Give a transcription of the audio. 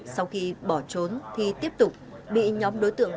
sau khi bỏ trốn thì tiếp tục bị nhóm đối tượng